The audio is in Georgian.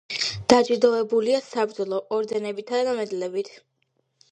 დაჯილდოებულია საბრძოლო ორდენებითა და მედლებით.